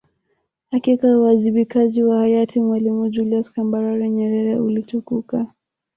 Hakika uwajibikaji wa hayati Mwalimu Julius Kambarage Nyerere ulitukuka